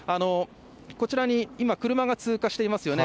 こちらに今、車が通過していますよね。